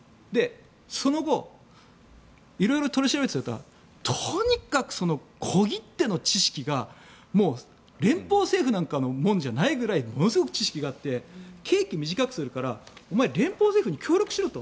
その後、色々取り調べていたらとにかく小切手の知識が連邦政府なんかのものじゃないぐらいものすごく知識があって刑期短くするからお前、連邦政府に協力しろと。